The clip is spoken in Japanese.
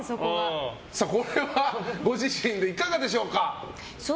これはご自身でいかがでしょうか。